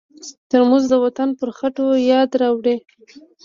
ترموز د وطن پر خټو یاد راوړي.